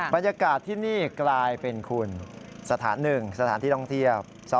บรรยากาศที่นี่กลายเป็นสถานที่๑ที่รองเทียบ